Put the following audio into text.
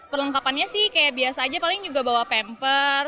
perlengkapannya sih kayak biasa aja paling juga bawa peralatan untuk kembali ke rumah kita